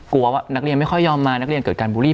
ว่านักเรียนไม่ค่อยยอมมานักเรียนเกิดการบูลลี่